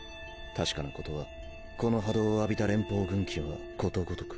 確かなことはこの波動を浴びた連邦軍機はことごとく。